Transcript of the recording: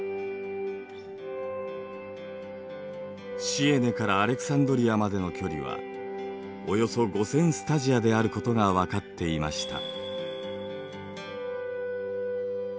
シエネからアレクサンドリアまでの距離はおよそ５，０００スタジアであることがわかっていました。